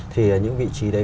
thì những vị trí đấy